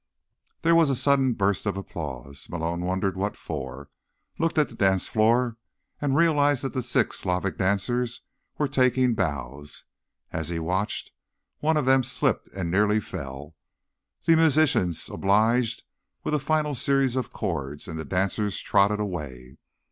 There was a sudden burst of applause. Malone wondered what for, looked at the dance floor and realized that the six Slavic dancers were taking bows. As he watched, one of them slipped and nearly fell. The musicians obliged with a final series of chords and the dancers trotted away.